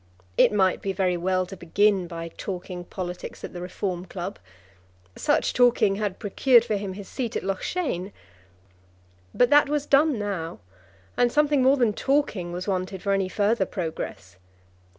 It might be very well to begin by talking politics at the Reform Club. Such talking had procured for him his seat at Loughshane. But that was done now, and something more than talking was wanted for any further progress.